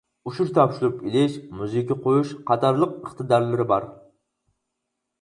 ئۇچۇر تاپشۇرۇپ ئېلىش، مۇزىكا قويۇش قاتارلىق ئىقتىدارلىرى بار.